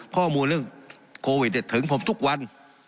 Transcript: ข้อมูลเรื่องโควิดตอนแรกเต็มถึงผมทุกวัน